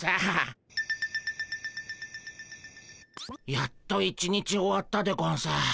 やっと一日終わったでゴンス。